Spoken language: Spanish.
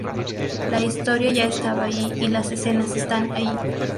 La historia ya estaba allí y las escenas están allí.